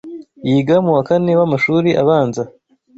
Yiga mu wa kane wamashuri abanza